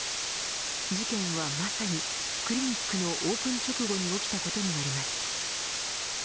事件はまさにクリニックのオープン直後に起きたことになります。